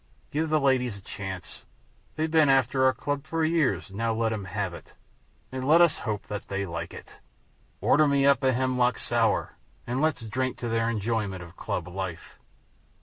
Give the ladies a chance. They've been after our club for years; now let 'em have it, and let us hope that they like it. Order me up a hemlock sour, and let's drink to their enjoyment of club life."